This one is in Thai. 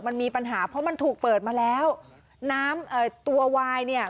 มันมีปัญหาเพราะมันถูกเปิดมาแล้วน้ำเอ่อตัววายเนี่ย